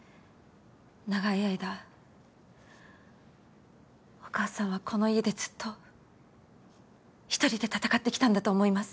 長い間お母さんはこの家でずっと一人で闘ってきたんだと思います。